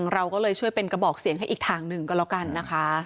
เราก็เลยช่วยเป็นกระบอกเสียงให้อีกทางหนึ่งก็แล้วกันนะคะ